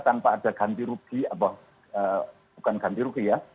tanpa ada ganti rugi bukan ganti rugi ya